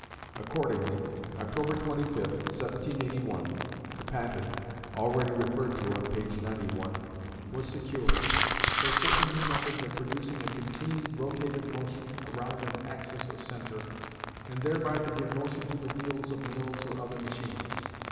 Accordingly, October 25, 1781, the patent (already referred to on p. 91) was secured, "for certain new methods of producing a continued rotative motion around an axis or centre, and thereby to give motion to the wheels of mills or other machines."